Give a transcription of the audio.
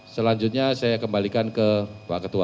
selanjutnya saya kembalikan ke pak ketua